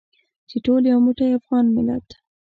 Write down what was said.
چې ټول یو موټی افغان ملت.